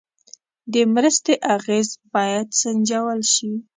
د مرستې اغېز باید سنجول شي.